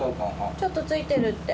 ちょっとついてるって。